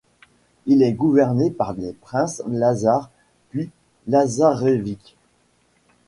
Il est gouverné par les princes Lazare puis Lazarević.